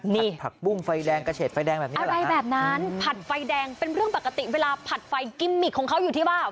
นี่อะไรแบบนั้นผัดไฟแดงเป็นเรื่องปกติเวลาผัดไฟกิมมิกของเขาอยู่ที่ไหม